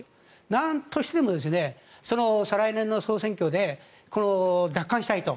なんとしても再来年の総選挙で奪還したいと。